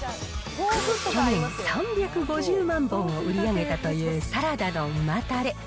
去年、３５０万本を売り上げたというサラダの旨たれ。